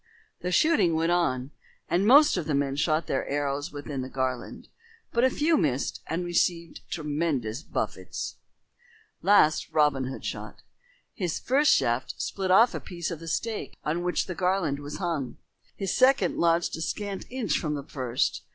The shooting went on, and most of the men shot their arrows within the garland, but a few missed and received tremendous buffets. Last Robin Hood shot. His first shaft split off a piece of the stake on which the garland was hung. His second lodged a scant inch from the first.